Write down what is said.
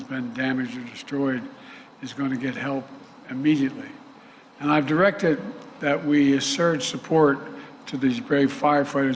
dan saya mengarahkan untuk menerima dukungan kepada para penjaga dan pembantuan pertama